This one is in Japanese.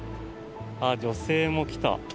女性も来た。